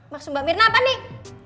maksud mbak mirna apa nih